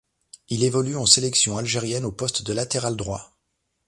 Il évolue en sélection algérienne au poste de latéral droit.